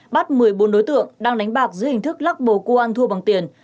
bắt một mươi bốn đối tượng đang đánh bạc dưới hình thức lắc bầu cua ăn thua bằng tiền